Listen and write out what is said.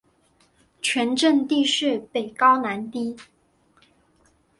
全镇地势北高南低。